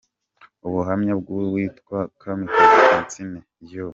Ubuhamya bwu witwa Kamikazi Francine « Yoooo !!!